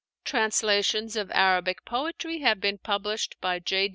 Translations of Arabic poetry have been published by J.